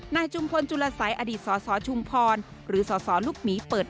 จุมพลจุลสัยอดีตสสชุมพรหรือสสลูกหมีเปิด